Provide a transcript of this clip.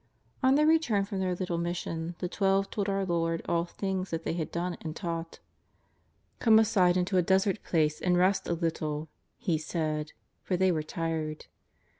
On their return from their little mission, the Twelvo told our Lord all things that they had done and taught. '^ Come aside into a desert place and rest a little," He said, for they were tired.